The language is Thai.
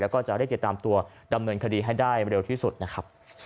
แล้วก็จะได้ติดตามตัวดำเนินคดีให้ได้เร็วที่สุดนะครับ